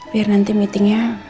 biar nanti meetingnya